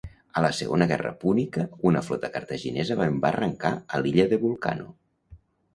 A la Segona Guerra Púnica una flota cartaginesa va embarrancar a l'illa de Vulcano.